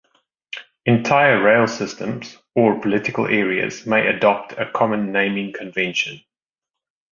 Entire rail systems or political areas may adopt a common naming convention.